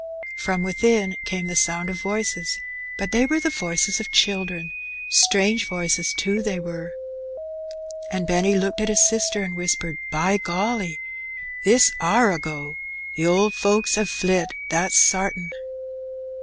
Prom within came the sound of voices, but they were the voices of children — strange voices, too, they were. And Benny looked at his sister and whispered —" By golly ! this are a go. The owd folks 'ave flit, that's sartin."